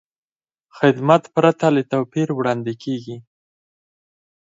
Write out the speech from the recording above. خدمت پرته له توپیر وړاندې کېږي.